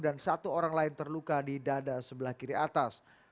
dan satu orang lain terluka di dada sebelah kiri atas